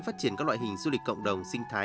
phát triển các loại hình du lịch cộng đồng sinh thái